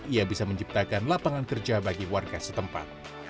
ia bisa menciptakan lapangan kerja bagi warga setempat